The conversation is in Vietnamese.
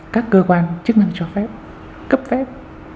các cơ quan chức năng cho phép cấp phép